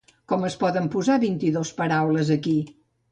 Com es poden posar vint-i-dos paraules aquí?